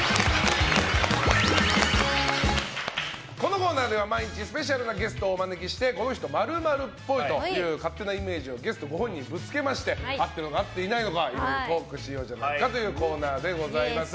このコーナーでは毎日、スペシャルなゲストをお招きしてこの人○○っぽいという勝手なイメージをゲストご本人にぶつけまして合ってるのか合っていないのかいろいろトークしようじゃないかというコーナーでございます。